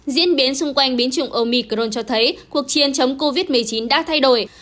diễn biến xung quanh biến chủng omicron cho thấy cuộc chiến chống covid một mươi chín đã thay đổi